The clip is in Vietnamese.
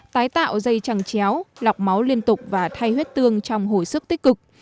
tái tạo dây trăng chéo lọc máu liên tục và thay huyết tương trong hồi sức tích cực